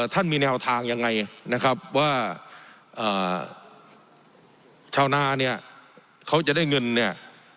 ท่านมีแนวทางยังไงนะครับว่าชาวนาเนี่ยเขาจะได้เงินเนี่ย